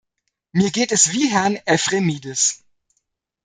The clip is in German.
Mir geht es wie Herrn Ephremidis.